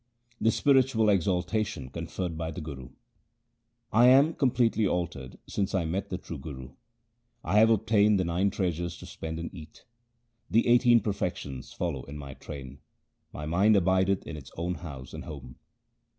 The spiritual exaltation conferred by the Guru :— I am completely altered since I met the true Guru ; I have obtained the nine treasures to spend and eat. The eighteen perfections follow in my train, my mind abideth in its own house and home.